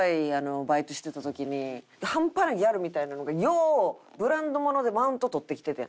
半端なギャルみたいなのがようブランド物でマウント取ってきててん。